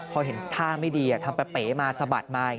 พอเห็นท่าไม่ดีทำแปะเป๋มาสะบัดมา